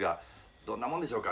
どんなもんでしょうか。